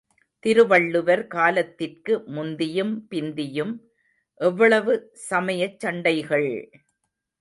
திருவள்ளுவர் காலத்திற்கு முந்தியும் பிந்தியும் எவ்வளவு சமயச் சண்டைகள்!